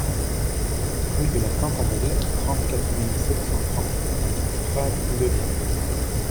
Rue de la Cantarelle, trente-quatre mille sept cent trente Prades-le-Lez